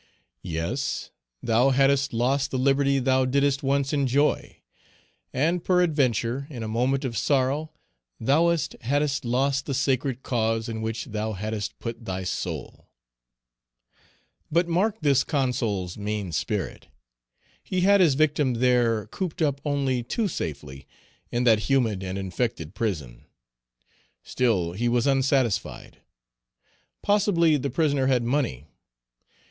Yes, thou hadst lost the liberty thou didst once enjoy; and, peradventure, in a moment of sorrow thou thoughtest thou hadst lost the sacred cause in which thou hadst put thy soul. But mark this Consul's mean spirit. He had his victim there cooped up only too safely in that humid and infected prison. Still he was unsatisfied. Possibly the prisoner had money.